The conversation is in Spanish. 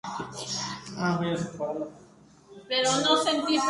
Actualmente milita en el Club Deportivo Guijuelo.